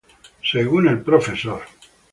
Según el Prof.